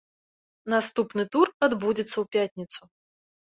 Наступны тур адбудзецца ў пятніцу.